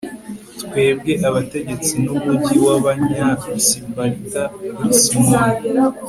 twebwe abategetsi n'umugi w'abanyasiparita, kuri simoni